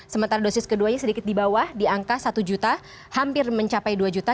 sementara dosis keduanya sedikit di bawah di angka satu juta hampir mencapai dua juta